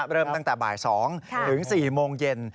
เริ่มตั้งแต่บ่าย๒ถึง๔โมงเย็น